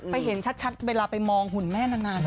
เห็นชัดเวลาไปมองหุ่นแม่นาน